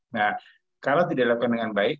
nah kalau tidak dilakukan dengan baik